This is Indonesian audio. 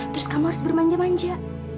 terus kamu harus bermanja manja